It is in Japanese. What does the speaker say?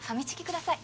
ください